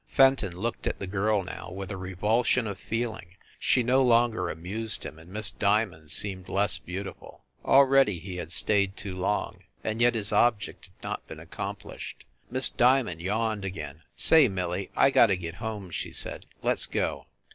Fenton looked at the girl, now, with a revulsion of feeling. She no longer amused him, and Miss Diamond seemed less beautiful. Already he had stayed too long. And yet his object had not been accomplished. Miss Diamond yawned again. "Say, Millie, I got to get home," she said. "Let s go."